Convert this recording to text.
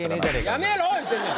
やめろ言うてんねん。